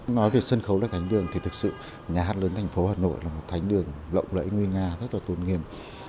nói về sân khấu là thánh đường thì thật sự nhà hát lớn thành phố hà nội là một thánh đường lộng lẫy nguyên nga rất là tôn nghiêm